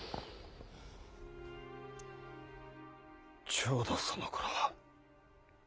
ちょうどそのころ